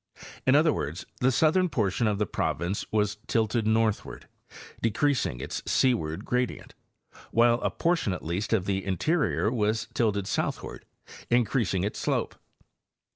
In other words, the southern portion of the province was tilted northward, decreasiny its seaward gra dient, while a portion at least of the interior was tilted south Deposition of Lafayette Gravels. 115 ward, increasing its slope..